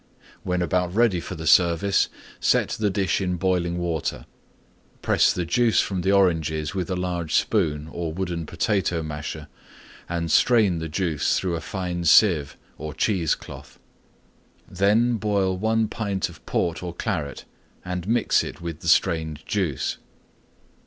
When about ready for the service, set the dish in boiling water; press the Juice from the Oranges with a large spoon or wooden potato masher and strain the Juice through a fine seive or cheese cloth. Then boil 1 pint of Port or Claret and mix it with the Strained Juice.